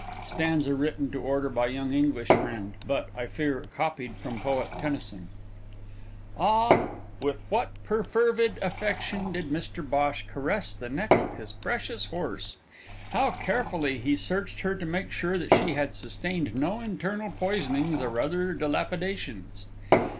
Stanza written to order by young English friend, but (I fear) copied from Poet Tennyson. Ah! with what perfervid affection did Mr Bhosh caress the neck of his precious horse! How carefully he searched her to make sure that she had sustained no internal poisonings or other dilapidations!